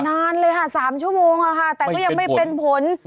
นานเลยค่ะ๓ชั่วโมงค่ะแต่ก็ยังไม่เป็นผล